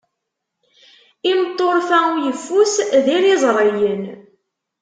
Imeṭṭurfa uyeffus d iriẓriyen.